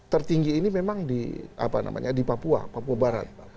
tertinggi ini memang di apa namanya di papua papua barat